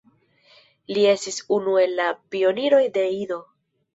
Li estis unu el la pioniroj de Ido.